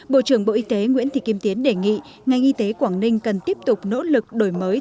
bộ trưởng bộ y tế nguyễn thị kim tiến đề nghị ngành y tế quảng ninh cần tiếp tục nỗ lực đổi mới